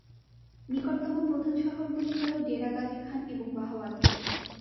নিকটতম প্রধান শহরগুলি হল ডেরা গাজী খান এবং বাহাওয়ালপুর।